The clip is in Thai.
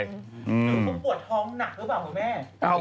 กูเปิดทอมหนักหรือเปล่าพ่อแม่